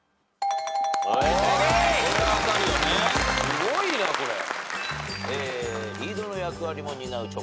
すごいなこれ。